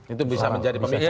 itu bisa menjadi pembicaraan